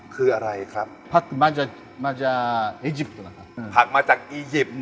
คือมะโรเฮย่ะ